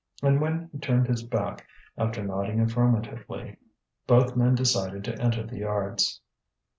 And when he turned his back after nodding affirmatively, both men decided to enter the Yards.